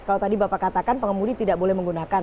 kalau tadi bapak katakan pengemudi tidak boleh menggunakan